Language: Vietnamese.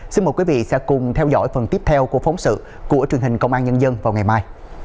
xin mời quý vị sẽ cùng theo dõi phần tiếp theo của phóng sự của truyền hình công an nhân dân vào ngày mai